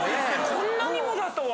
こんなにもだとは。